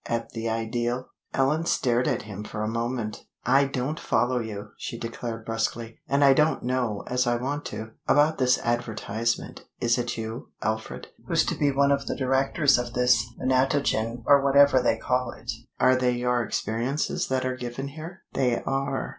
at the ideal." Ellen stared at him for a moment. "I don't follow you," she declared, brusquely, "and I don't know as I want to. About that advertisement, is it you, Alfred, who's to be one of the directors of this Menatogen or whatever they call it? Are they your experiences that are given here?" "They are!"